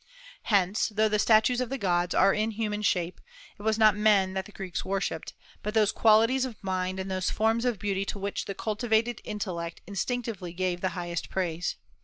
Hence, though the statues of the gods are in human shape, it was not men that the Greeks worshipped, but those qualities of mind and those forms of beauty to which the cultivated intellect instinctively gave the highest praise.